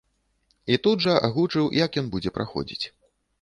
І тут жа агучыў, як ён будзе праходзіць.